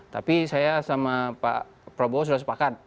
tapi saya sama pak prabowo sudah sepakat